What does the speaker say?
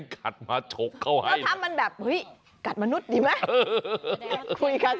กัดมนุษย์ดีไหม